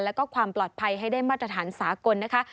แล้วก็ความปลอดภัยให้ได้มาตรฐานสากลนะคะ